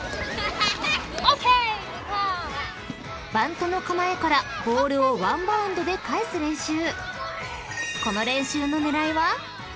［バントの構えからボールをワンバウンドで返す練習］